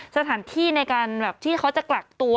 สถานที่ในการแบบที่เขาจะกักตัว